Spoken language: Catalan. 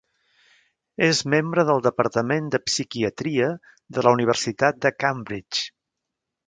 És membre del Departament de Psiquiatria de la Universitat de Cambridge.